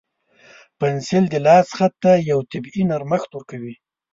پنسل د لاس خط ته یو طبیعي نرمښت ورکوي.